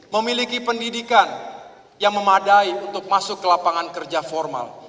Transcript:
memiliki pendidikan yang memadai untuk masuk ke lapangan kerja formal